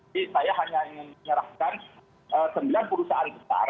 jadi saya hanya ingin menyerahkan sembilan perusahaan besar